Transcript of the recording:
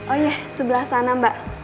oh ya sebelah sana mbak